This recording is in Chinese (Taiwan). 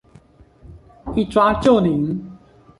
一抓就靈！